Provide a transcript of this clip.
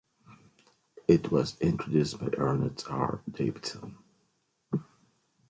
It was introduced by Ernest R. Davidson.